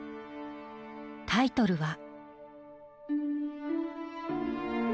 タイトルは。